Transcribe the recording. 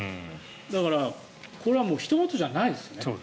だから、これはもうひと事じゃないですね。